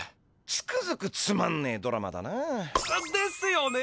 つくづくつまんねえドラマだな。ですよね。